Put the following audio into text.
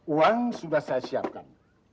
uang sudah saya siapkan